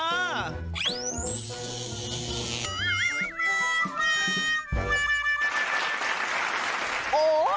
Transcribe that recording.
ว้าวว้าวว้าว